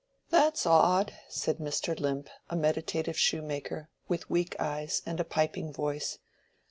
"That's odd," said Mr. Limp, a meditative shoemaker, with weak eyes and a piping voice.